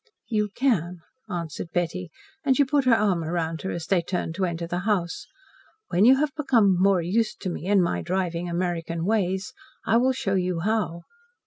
"You can," answered Betty, and she put her arm round her as they turned to enter the house. "When you have become more used to me and my driving American ways I will show you how."